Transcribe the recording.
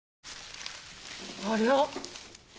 ありゃ。